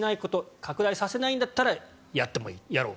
拡大させないんだったらやってもいい、やろう。